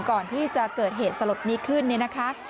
ก่อนที่จะเกิดเหตุสลดนี้ขึ้นเนี่ยนะคะ